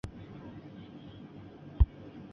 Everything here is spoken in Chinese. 并非是上文说的王桓之子王尹和。